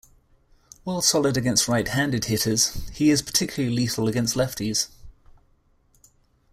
While solid against right-handed hitters, he is particularly lethal against lefties.